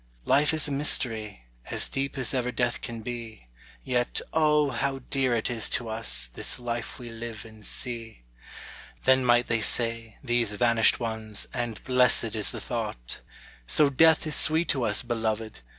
Life is a mystery, as deep as ever death can be; Yet, O, how dear it is to us, this life we live and see! Then might they say these vanished ones and blessed is the thought, "So death is sweet to us, beloved!